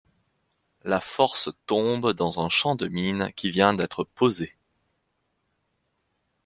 La force tombe dans un champ de mines qui vient d'être posée.